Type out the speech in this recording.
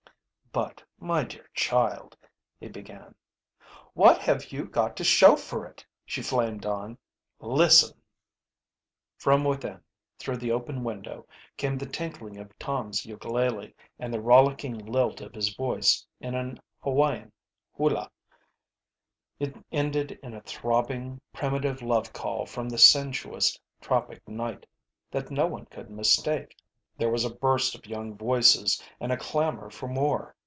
"But my dear child " he began. "What have you got to show for it?" she flamed on. "Listen!" From within, through the open window, came the tinkling of Tom's ukulele and the rollicking lilt of his voice in an Hawaiian hula. It ended in a throbbing, primitive love call from the sensuous tropic night that no one could mistake. There was a burst of young voices, and a clamour for more.